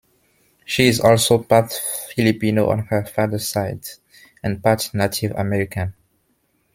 She is also part Filipino on her father's side and part Native American.